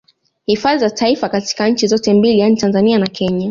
Hifadhi za Taifa katika nchi zote mbili yani Tanzania na Kenya